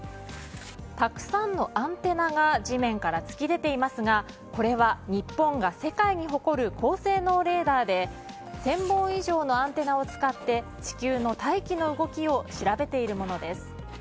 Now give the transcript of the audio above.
たくさんのアンテナが地面から突き出ていますがこれは、日本が世界に誇る高性能レーダーで１０００本以上のアンテナを使って地球の大気の動きを調べているものです。